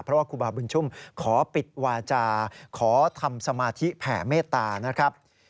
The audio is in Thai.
เพราะว่าครูบาบุญชุ่มขอปิดวาจาขอทำสมาธิแผ่เมตตานะครับ